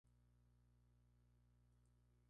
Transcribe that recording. Fue fundado en la capital St.